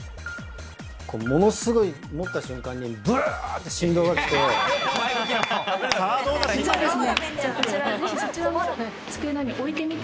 ものすごい、持った瞬間にブルブルって振動が来て。